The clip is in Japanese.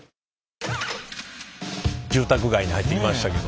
住宅街に入ってきましたけど。